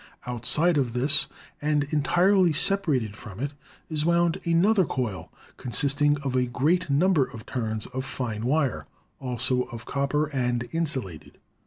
Outside of this, and entirely sep arate from it, is wound another coil consisting of a great number of turns of fine wire, also of copper, and insulated.